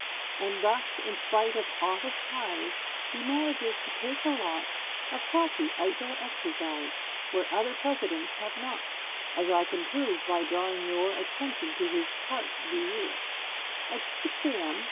And thus, in spite of office ties, He manages to take a lot Of healthy outdoor exercise, Where other Presidents have not; As I can prove by drawing your Attention to his carte du jour. At 6 a.m.